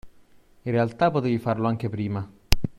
In realtà potevi farlo anche prima